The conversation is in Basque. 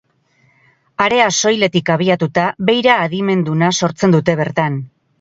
Harea soiletik abiatuta, beira adimenduna sortzen dute bertan.